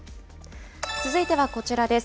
続いてはこちらです。